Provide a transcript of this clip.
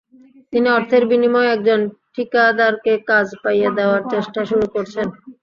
তিনি অর্থের বিনিময়ে একজন ঠিকাদারকে কাজ পাইয়ে দেওয়ার চেষ্টা শুরু করছেন।